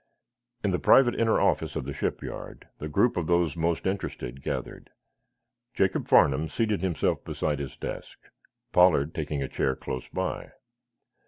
In the private inner office of the shipyard the group of those most interested gathered. Jacob Farnum seated himself beside his desk, Pollard taking a chair close by.